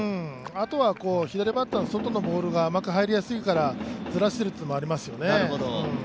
あとは、左バッターの外がうまく入りやすいからずらしているというのもありますよね。